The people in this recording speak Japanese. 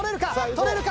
撮れるか？